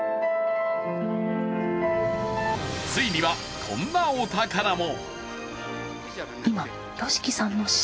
ついにはこんなお宝も。